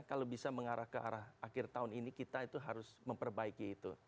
kalau bisa mengarah ke arah akhir tahun ini kita itu harus memperbaiki itu